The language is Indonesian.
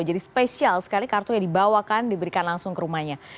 jadi spesial sekali kartu yang dibawakan diberikan langsung ke rumahnya